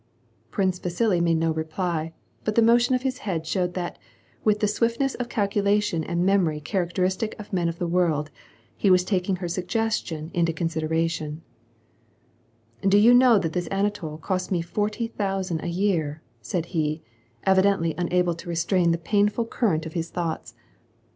Prince Vasili made no reply, but the motion of his head showed that, with the swiftness of calculation and memory characteristic of men of the world, he was taking her sugges tion into consideration. "Did you know that this Anatol costs me forty thousand a year ?" said he, evidently unable to restrain the painful current * Ce iont letentravet de mon existence* ,, 6 '^^ K AND PEACE, It of his thoughts.